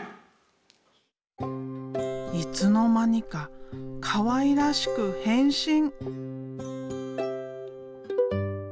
いつの間にかかわいらしく変身。